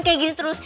kayak gini terus